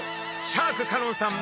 シャーク香音さん